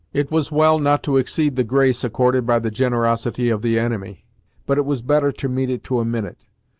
It was well not to exceed the grace accorded by the generosity of the enemy, but it was better to meet it to a minute.